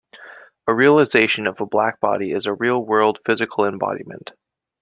A realization of a black body is a real world, physical embodiment.